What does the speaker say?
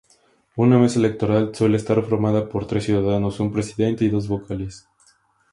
Una mesa electoral suele estar formada por tres ciudadanos: un presidente y dos vocales.